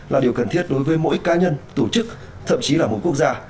là điều cần thiết đối với mỗi cá nhân tổ chức thậm chí là mỗi quốc gia